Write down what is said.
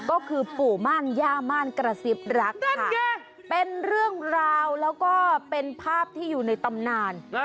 ก็คือปู่ม่านย่าม่านกระซิบรักนั่นไงเป็นเรื่องราวแล้วก็เป็นภาพที่อยู่ในตำนาน